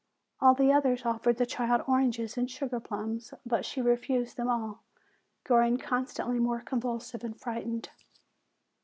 All the others offered the child oranges and sugar plums; but she refused them all, growing con stantly more convulsive and frightened.